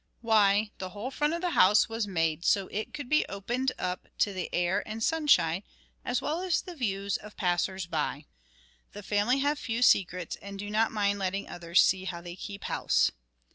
Why, the whole front of the house was made so it could be opened up to the air and sunshine, as well as the view of passers by. The family have few secrets, and do not mind letting others see how they keep house.